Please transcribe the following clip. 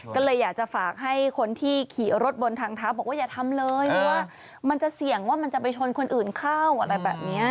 ก็เลยอยากจะฝากให้คนที่ขี่รถบนทางเท้าบอกว่าอย่าทำเลยหรือว่ามันจะเสี่ยงว่ามันจะไปชนคนอื่นเข้าอะไรแบบนี้